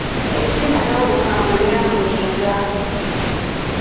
Ettima n'obukambwe byamuyinga!